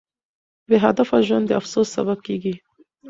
بې هدفه ژوند د افسوس سبب کیږي.